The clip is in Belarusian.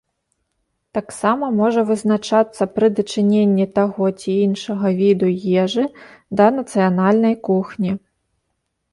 Таксама можа вызначацца пры дачыненні таго ці іншага віду ежы да нацыянальнай кухні.